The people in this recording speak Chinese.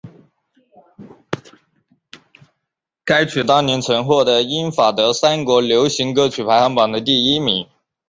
该曲当年曾获得英法德三国流行歌曲排行榜的第一名。